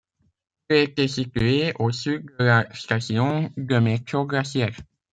Il était situé au sud de la station de métro Glacière.